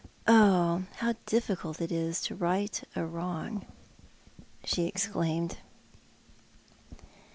" Oh, how diflScult it is to right a wrong," she exclaimed.